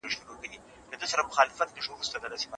زه په کمپيوټر کي ويډيو ايډيټ کوم.